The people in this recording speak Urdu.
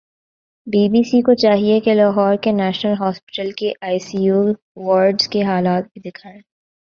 بی بی سی کو چاہیے کہ لاہور کے نیشنل ہوسپٹل کے آئی سی یو وارڈز کے حالات بھی دیکھائیں